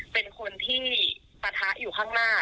เป็นคนที่ปะทะอยู่ข้างหน้า